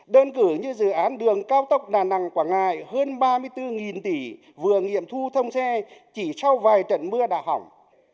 đơn cử như dự án đường cao tốc đà nẵng quảng ngãi hơn ba mươi bốn tỷ vừa nghiệm thu thông xe chỉ sau vài trận mưa đà hỏng